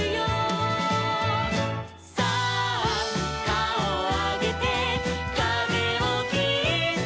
「さあかおをあげてかぜをきって」